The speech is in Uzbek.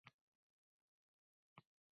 hazillarga boy kanalni sizlarga taklif qilamiz!